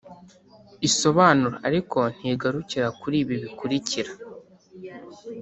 isobanura ariko ntigarukira kuri ibi bikurikira